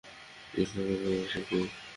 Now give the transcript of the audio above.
কৃষ্ণা ক্লাসে উপস্থিত নেই।